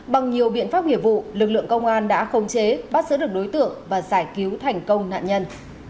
bằng nhiều biện pháp nghiệp vụ lực lượng công an đã khống chế bắt giữ được đối tượng và giải cứu thành công nạn nhân